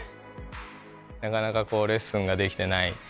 なかなかレッスンができてない